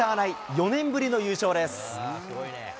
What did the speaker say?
４年ぶりの優勝です。